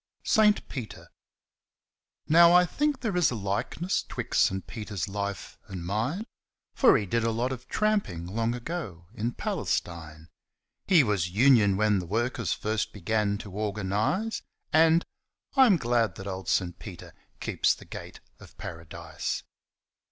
SAINT PETER Now, I think there is a likeness 'Twixt St. Peter's life and mine, For he did a lot of trampin' Long ago in Palestine. He was 'union' when the workers First began to organise, And I'm glad that old St. Peter Keeps the gate of Paradise.